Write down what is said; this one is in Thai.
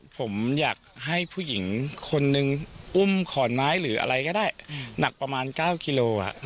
ผมอยากให้ผู้หญิงคนนึงอุ้มขอนไม้หรืออะไรก็ได้หนักประมาณ๙กิโล